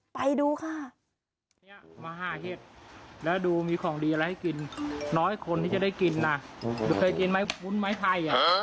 ไปดูค่ะ